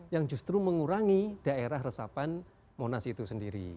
yang justru mengurangi daerah resapan monas itu sendiri